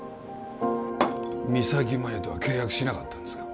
三咲麻有とは契約しなかったんですか？